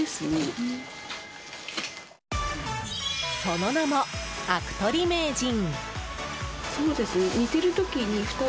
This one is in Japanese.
その名もアク取り名人。